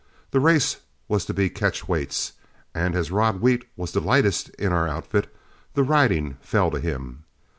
The race was to be catch weights, and as Rod Wheat was the lightest in our outfit, the riding fell to him.